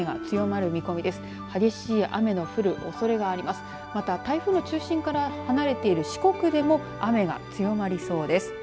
また、台風の中心から離れている四国でも雨が強まりそうです。